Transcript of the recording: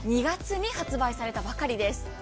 ２月に発売されたばかりです